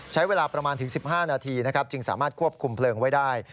ใช้เวลาประมาณถึง๑๕นาทีนะครับจึงสามารถควบคุมเพลิงไว้ได้